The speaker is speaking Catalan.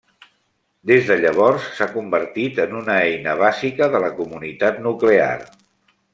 Des de llavors s'ha convertit en una eina bàsica de la comunitat nuclear.